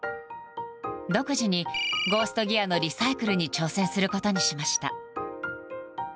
独自にゴースト・ギアのリサイクルに挑戦することにしました。